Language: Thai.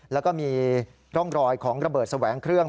แล้วก็มีร่องรอยของระเบิดแสวงเครื่อง